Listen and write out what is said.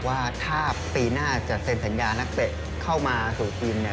ว่าถ้าปีหน้าจะเซ็นสัญญานักเตะเข้ามาสู่ทีมเนี่ย